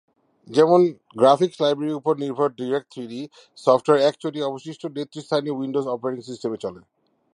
যেমন graphics library উপর নির্ভর ডাইরেক্ট থ্রিডি, সফ্টওয়্যার একচেটিয়া অবশিষ্ট নেতৃস্থানীয় উইন্ডোজ অপারেটিং সিস্টেম এ চলে।